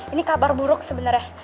ini kabar buruk sebenernya